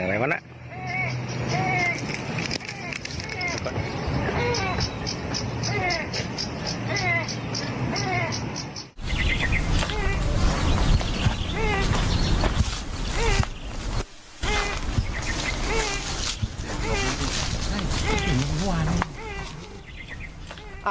เสียงอะไรวะน่ะ